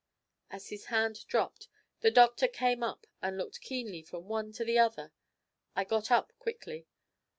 As his hand dropped, the doctor came up and looked keenly from one to the other. I got up quickly.